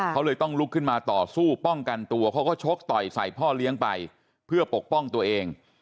เขาเลยต้องลุกขึ้นมาต่อสู้ป้องกันตัวเขาก็ชกต่อยใส่พ่อเลี้ยงไปเพื่อปกป้องตัวเอง